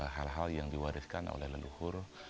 hal hal yang diwariskan oleh leluhur